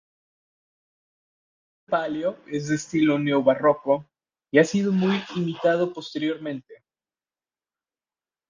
El paso de palio es de estilo neobarroco, y ha sido muy imitado posteriormente.